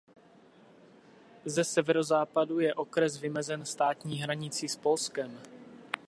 Ze severozápadu je okres vymezen státní hranicí s Polskem.